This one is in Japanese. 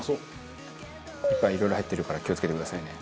いっぱいいろいろ入ってるから気を付けてくださいね。